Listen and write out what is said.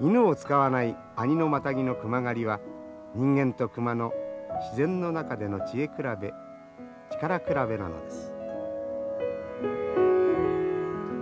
犬を使わない阿仁のマタギの熊狩りは人間と熊の自然の中での知恵比べ力比べなのです。